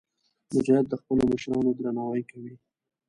مجاهد د خپلو مشرانو درناوی کوي.